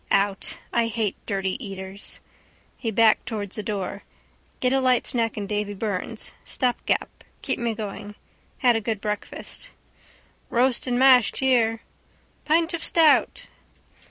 Out. I hate dirty eaters. He backed towards the door. Get a light snack in Davy Byrne's. Stopgap. Keep me going. Had a good breakfast. —Roast and mashed here. —Pint of stout.